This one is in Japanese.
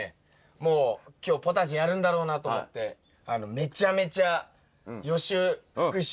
もう今日ポタジェやるんだろうなと思ってめちゃめちゃすごい。